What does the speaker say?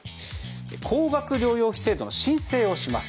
高額療養費制度の申請をします。